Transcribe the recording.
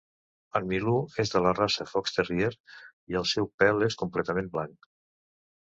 En Milú és de la raça Fox terrier i el seu pèl és completament blanc.